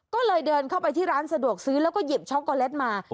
ก็เลยเดินเข้าไปที่ร้านสะดวกซื้อแล้วก็หยิบช็อกโกแลตมา